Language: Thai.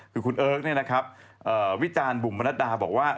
คือคุณเอิ๊กซ์นี่นะครับวิจารบุ๋มบรรทดาบอกว่า